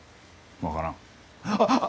分からん。